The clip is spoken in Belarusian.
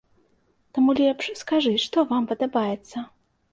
Таму лепш скажы, што вам падабаецца?